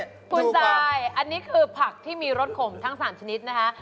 คุณซายอันนี้คือผักที่มีรสขมทั้ง๓ชนิดนะคะ